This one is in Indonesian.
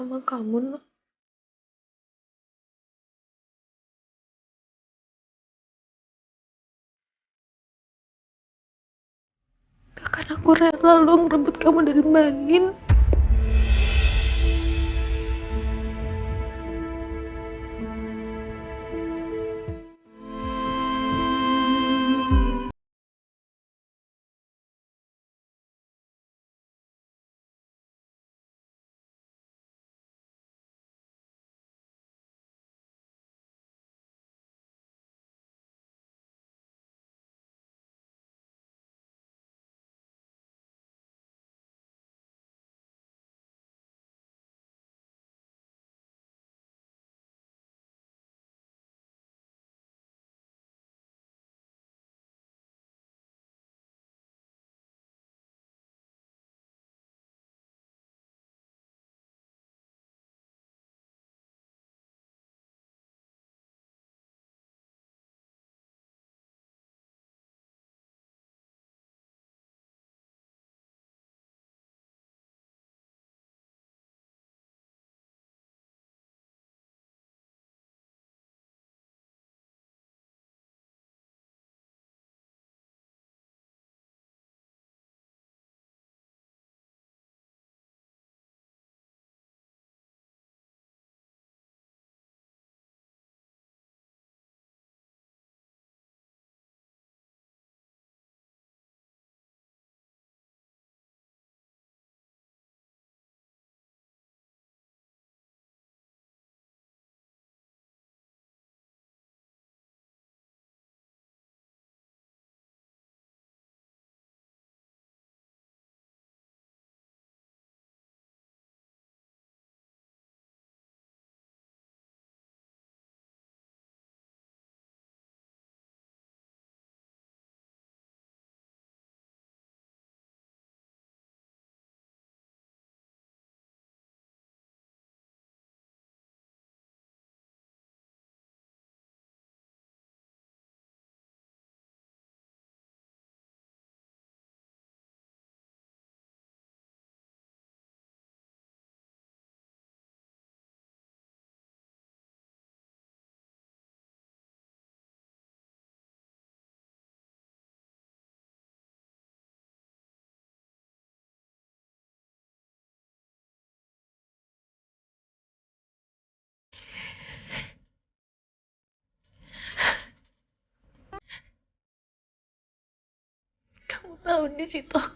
masa gak pake lipstick sih